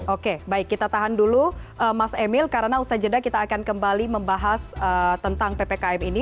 oke baik kita tahan dulu mas emil karena usaha jeda kita akan kembali membahas tentang ppkm ini